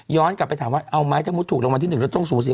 ย้อนกลับไปถามว่าเอาไหมถ้าถูกลงมาที่๑ต้องสูงเสีย